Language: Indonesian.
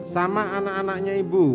sama anak anaknya ibu